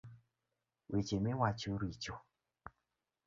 Weche miwacho richo